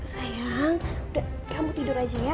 sayang kamu tidur aja ya